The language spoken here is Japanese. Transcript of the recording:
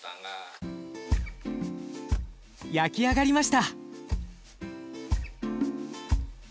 焼き上がりました。